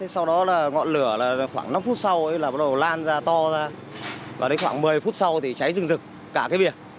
sau đó là ngọn lửa là khoảng năm phút sau là bắt đầu lan ra to ra và đến khoảng một mươi phút sau thì cháy rừng rực cả cái biệt